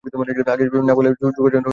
আগে-আগে না বললে জোগাড়যন্ত্র করা যায় না।